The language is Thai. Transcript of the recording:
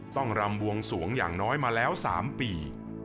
รำบวงสวงอย่างน้อยมาแล้ว๓ปี